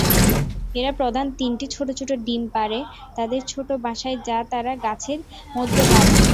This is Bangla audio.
এরা প্রধানত তিনটি ছোটো ছোটো ডিম পাড়ে তাদের ছোটো বাসায় যা তারা গাছের মধ্যে বাঁধে।